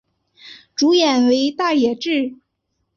主演为大野智。